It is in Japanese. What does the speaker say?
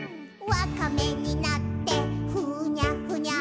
「わかめになってふにゃふにゃ」